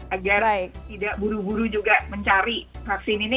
agar tidak buru buru juga mencari vaksin ini